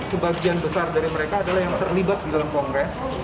sebagian besar dari mereka adalah yang terlibat di dalam kongres